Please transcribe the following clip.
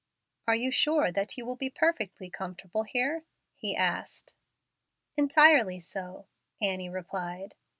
"Are you sure that you will be perfectly comfortable here?" he asked. "Entirely so," Annie replied.